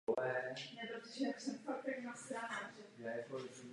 Pavel Klein je autorem celé řady publikací na Filipínách.